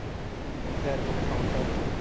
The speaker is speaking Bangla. স্যার, কোন সমস্যা আছে?